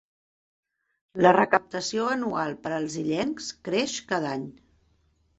La recaptació anual per als illencs creix cada any.